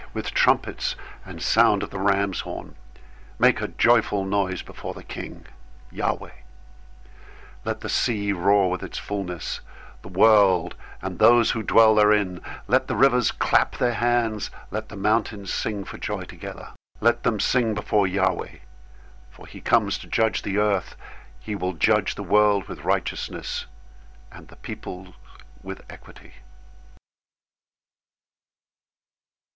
098:006 With trumpets and sound of the ram's horn, make a joyful noise before the King, Yahweh. 098:007 Let the sea roar with its fullness; the world, and those who dwell therein. 098:008 Let the rivers clap their hands. Let the mountains sing for joy together. 098:009 Let them sing before Yahweh, for he comes to judge the earth. He will judge the world with righteousness, and the peoples with equity.